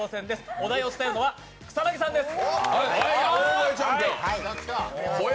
お題を伝えるのは草薙さんです。